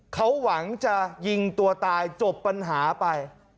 เขาหวังจะยิงตัวตายจบปัญหาไป